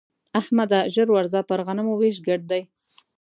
احمده! ژر ورځه پر غنمو وېش ګډ دی.